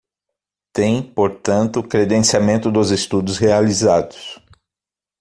Tem, portanto, credenciamento dos estudos realizados.